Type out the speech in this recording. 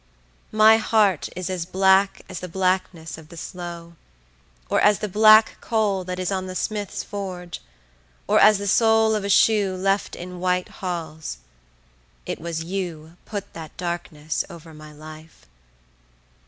My heart is as black as the blackness of the sloe, or as the black coal that is on the smith's forge; or as the sole of a shoe left in white halls; it was you put that darkness over my life.